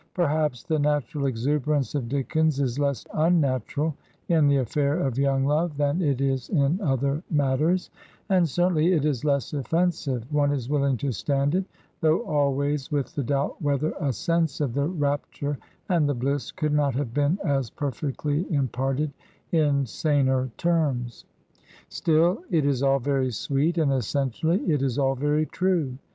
Perhaps the natural exuberance of Dickens is less unnatural in the aflFair of young love than it is in other matters, and cer tainly it is less offensive; one is willing to stand it, though always with the doubt whether a sense of the rapture and the bliss could not have been as perfectly imparted in saner terms. Still, it is all very sweet, and essentially it is all very true.